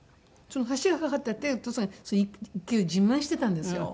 橋が架かっててお父さんがその池を自慢してたんですよ。